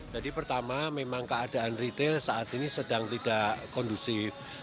jadi pertama memang keadaan retail saat ini sedang tidak kondusif